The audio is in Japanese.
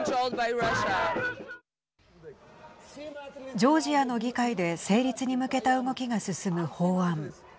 ジョージアの議会で成立に向けた動きが進む法案。